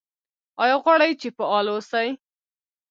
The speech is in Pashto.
ایا غواړئ چې فعال اوسئ؟